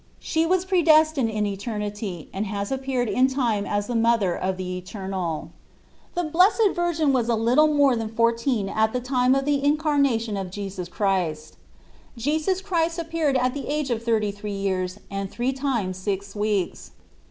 She was predestined in eter nity and she has appeared in time as the Mother of the Eternal. 28 Ube IRativnts of The Blessed Virgin was a little more than fourteen at the time of the Incar nation of Jesus Christ. Jesus Christ ar rived at the age of thirty three years and three times six weeks.